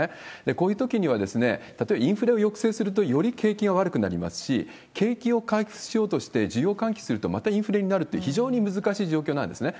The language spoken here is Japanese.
こういうときには、例えばインフレを抑制すると、より景気が悪くなりますし、景気を回復しようとして需要喚起すると、またインフレになるという、非常に難しい状況なんですね。